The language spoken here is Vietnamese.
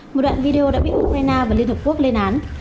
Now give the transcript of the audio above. một đoạn video đã bị ukraine và liên hợp quốc lên án